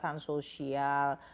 kemudian ada perubahan sosial